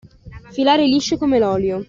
Filare liscio come l'olio.